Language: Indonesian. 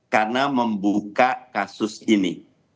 karena membuka kasus ini